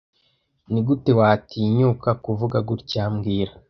Nigute watinyuka kuvuga gutya mbwira